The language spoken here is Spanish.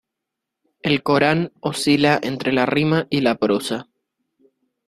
El Corán oscila entre la rima y la prosa.